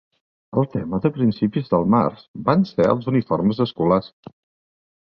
El tema de principis del març van ser els uniformes escolars.